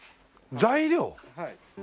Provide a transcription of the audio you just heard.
材料！？